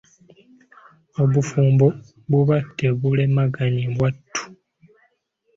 Obufumbo buba tebulemaganye wattu?